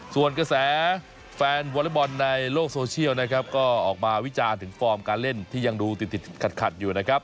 ส่วนกระแสแฟนวอเล็กบอลในโลกโซเชียลนะครับก็ออกมาวิจารณ์ถึงฟอร์มการเล่นที่ยังดูติดขัดอยู่นะครับ